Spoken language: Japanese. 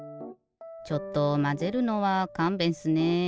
ちょっとまぜるのはかんべんっすね。